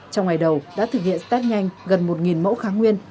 trong ngày đầu đã thực hiện st nhanh gần một mẫu kháng nguyên